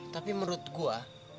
tapi menurut saya